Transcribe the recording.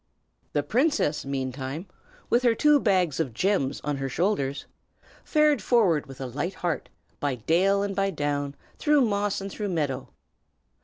The princess, meantime, with her two bags of gems on her shoulders, fared forward with a light heart, by dale and by down, through moss and through meadow.